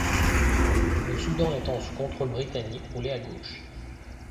Le Soudan étant sous contrôle britannique roulait à gauche.